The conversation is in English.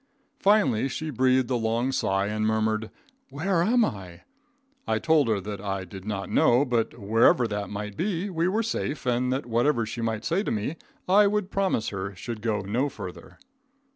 Finally she breathed a long sigh and murmured, "where am I?" I told her that I did not know, but wherever it might be, we were safe, and that whatever she might say to me, I would promise her, should go no farther.